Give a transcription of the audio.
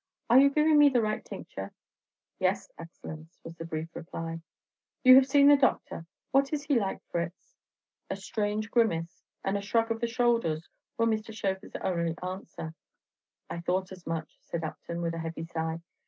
Are you giving me the right tincture?" "Yes, Excellenz," was the brief reply. "You have seen the doctor, what is he like, Fritz?" A strange grimace and a shrug of the shoulders were Mr. Schöfer's only answer. "I thought as much," said Upton, with a heavy sigh.